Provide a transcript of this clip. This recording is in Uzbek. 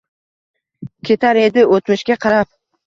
Ketar edi oʼtmishga qarab.